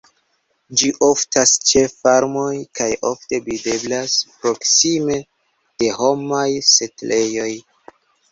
Ĝi oftas ĉe farmoj kaj ofte videblas proksime de homaj setlejoj.